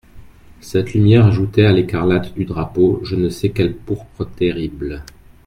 Cette lumière ajoutait à l'écarlate du drapeau je ne sais quelle pourpre terrible.